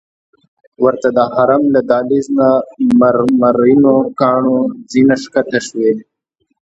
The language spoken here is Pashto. ورته د حرم له دهلیز نه مرمرینو کاڼو زینه ښکته شوې.